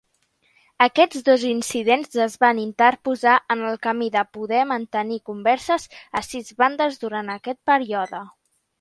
Aquests dos incidents es van interposar en el camí de poder mantenir converses a sis bandes durant aquest període.